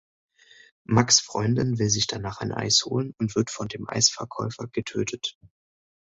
Max’ Freundin will sich danach ein Eis holen und wird von dem Eisverkäufer getötet.